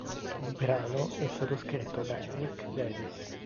Il brano è stato scritto da Rick Davies.